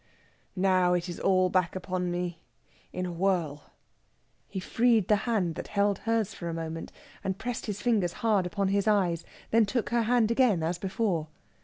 Now it is all back upon me, in a whirl." He freed the hand that held hers for a moment, and pressed his fingers hard upon his eyes; then took her hand again, as before.